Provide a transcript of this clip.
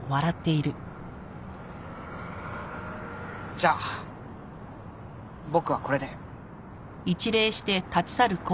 じゃあ僕はこれで。